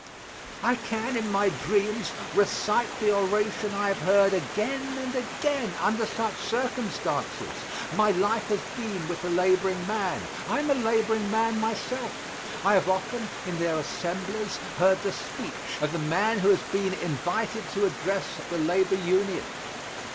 I can in my dreams recite the oration I have heard again and again under such circumstances. My life has been with the laboring man. I am a laboring man myself. I have often, in their assemblies, heard the speech of the man who has been invited to address the labor union.